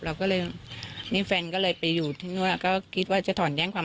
เราก็เลยนี่แฟนก็เลยไปอยู่ที่ว่าก็คิดว่าจะถอนแจ้งความ